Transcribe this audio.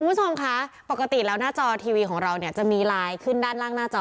คุณผู้ชมคะปกติแล้วหน้าจอทีวีของเราเนี่ยจะมีไลน์ขึ้นด้านล่างหน้าจอ